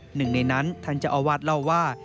หนึ่งในนั้นท่านเจ้าอาวาสเล่าว่า